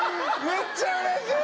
めっちゃうれしい！